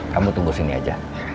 kamu tunggu sini aja